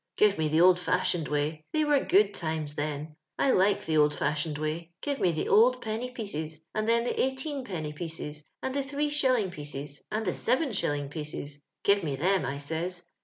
Give me the old fashioned way; they were good times then ; I like the old fashioned way. Give me the old penny pieces, and then the eighteen penny pieces, and the three shilling pieces, and the seven shilling pieces — give me them, I says.